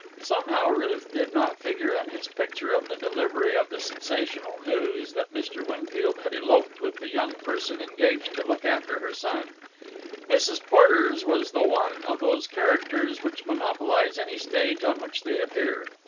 Somehow Ruth did not figure in his picture of the delivery of the sensational news that Mr. Winfield had eloped with the young person engaged to look after her son. Mrs. Porter's was one of those characters which monopolize any stage on which they appear.